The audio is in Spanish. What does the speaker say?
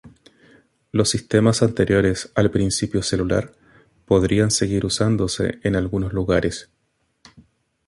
Los sistemas anteriores al principio celular podrían seguir usándose en algunos lugares.